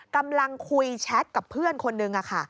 กำลังคุยแชทกับเพื่อนคนนึงค่ะ